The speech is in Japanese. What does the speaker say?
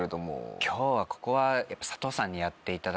今日はここは佐藤さんにやっていただく。